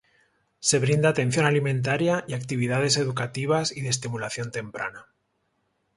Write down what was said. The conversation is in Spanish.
Se brinda atención alimentaria y actividades educativas y de estimulación temprana.